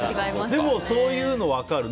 でも、そういうの分かる。